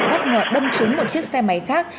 bất ngờ đâm trúng một chiếc xe máy khác